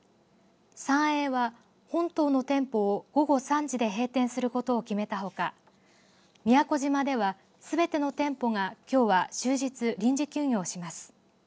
サンエーは本島の店舗を午後３時で閉店することを決めたほか宮古島では、すべての店舗がきょうは、終日臨時休業します。